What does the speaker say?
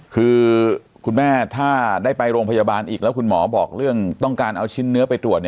คือคุณแม่ถ้าได้ไปโรงพยาบาลอีกแล้วคุณหมอบอกเรื่องต้องการเอาชิ้นเนื้อไปตรวจ